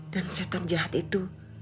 dan setan jahat itu